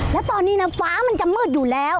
แล้วตอนนี้นะฟ้ามันจะมืดอยู่แล้ว